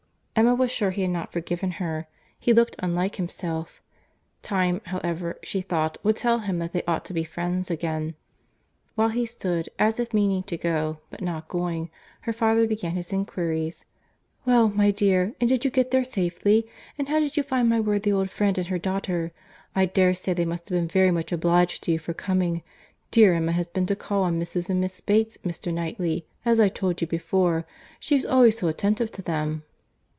Emma was sure he had not forgiven her; he looked unlike himself. Time, however, she thought, would tell him that they ought to be friends again. While he stood, as if meaning to go, but not going—her father began his inquiries. "Well, my dear, and did you get there safely?—And how did you find my worthy old friend and her daughter?—I dare say they must have been very much obliged to you for coming. Dear Emma has been to call on Mrs. and Miss Bates, Mr. Knightley, as I told you before. She is always so attentive to them!"